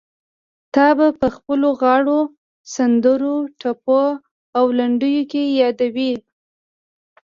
تا به په خپلو غاړو، سندرو، ټپو او لنډيو کې يادوي.